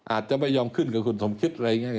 อาจจะไม่ยอมขึ้นกับคุณสมคิดอะไรอย่างนี้